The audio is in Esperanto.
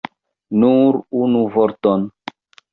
Nur unu vorton!